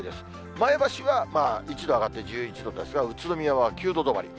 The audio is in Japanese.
前橋はまあ、１度上がって１１度で、宇都宮は９度止まり。